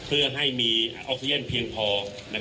คุณผู้ชมไปฟังผู้ว่ารัฐกาลจังหวัดเชียงรายแถลงตอนนี้ค่ะ